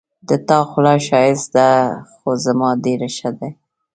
د تا خوله ښایسته ده خو زما ډېره ښه ده